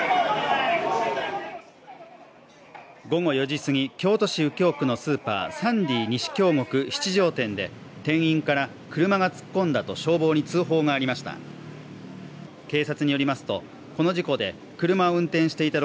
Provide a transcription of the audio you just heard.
午後４時すぎ、京都市右京区のスーパー、サンディ西京極七条店で店員から車が突っ込んだと消防に通報がありました。